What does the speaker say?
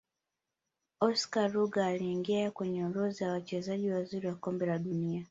oscar rugger aliingia kwenye orodha ya Wachezaji wazuri wa kombe la dunia